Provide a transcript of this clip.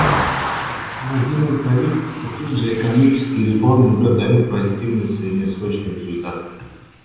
Проводимые правительство Фиджи экономические реформы уже дают позитивные среднесрочные результаты.